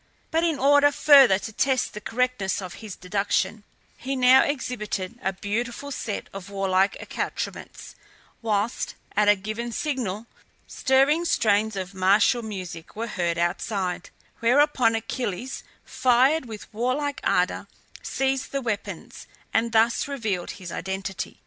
But in order further to test the correctness of his deduction, he now exhibited a beautiful set of warlike accoutrements, whilst, at a given signal, stirring strains of martial music were heard outside; whereupon Achilles, fired with warlike ardour, seized the weapons, and thus revealed his identity.